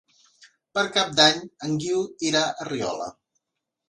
Per Cap d'Any en Guiu irà a Riola.